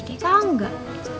kak al enggak